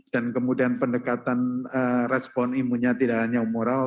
dan kemudian pendekatan respon imunnya tidak hanya umural